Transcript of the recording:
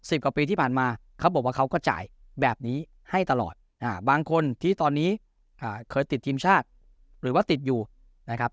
กว่าปีที่ผ่านมาเขาบอกว่าเขาก็จ่ายแบบนี้ให้ตลอดบางคนที่ตอนนี้เคยติดทีมชาติหรือว่าติดอยู่นะครับ